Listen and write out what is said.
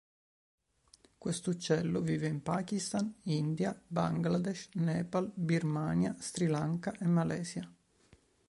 Questo uccello vive in Pakistan, India, Bangladesh, Nepal, Birmania, Sri Lanka e Malaysia.